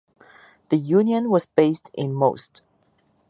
The union was based in Most.